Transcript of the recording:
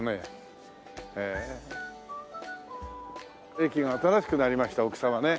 駅が新しくなりました奥沢ね。